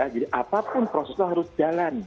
jadi apapun prosesnya harus jalan